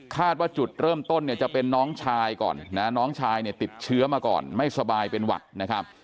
ว่าจุดเริ่มต้นเนี่ยจะเป็นน้องชายก่อนนะน้องชายเนี่ยติดเชื้อมาก่อนไม่สบายเป็นหวัดนะครับ